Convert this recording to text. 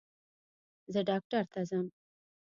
زه ډاکټر ته ځم